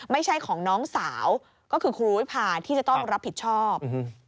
ไม่ใช่ของน้องสาวก็คือครูวิพาที่จะต้องรับผิดชอบ